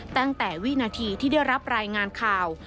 ตั้งแต่วินาทีที่ได้รับรายงานข่าว